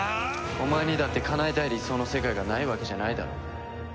お前にだってかなえたい理想の世界がないわけじゃないだろ？